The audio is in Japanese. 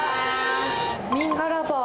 ミンガラバー。